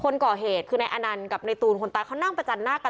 คนก่อเหตุคือนายอนันต์กับในตูนคนตายเขานั่งประจันหน้ากัน